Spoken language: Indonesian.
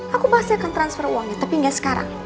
aku pasti akan transfer uangnya tapi nggak sekarang